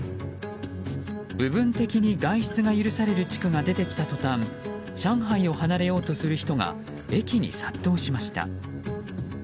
部分的に外出が許される地区が出てきたとたん上海を離れようとする人が駅に殺到しました。